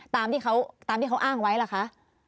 ตามที่เขาอ้างไว้ล่ะค่ะ